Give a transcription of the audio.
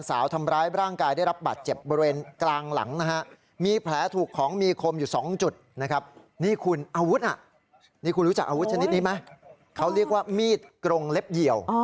อาวุธชนิดนี้ไหมเขาเรียกว่ามีดกรงเล็บเหยียว